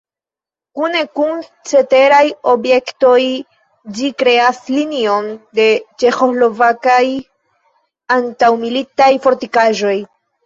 Kune kun ceteraj objektoj ĝi kreas linion de ĉeĥoslovakaj antaŭmilitaj fortikaĵoj.